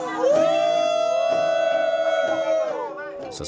dengan berbunyi dan sobing